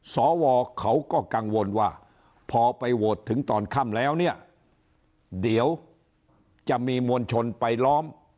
สวเขาก็กังวลว่าพอไปโหวตถึงตอนค่ำแล้วเนี่ยเดี๋ยวจะมีมวลชนไปล้อม